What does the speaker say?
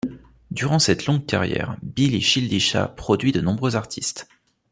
Durant cette longue carrière, Billy Childisha produit de nombreux artistes.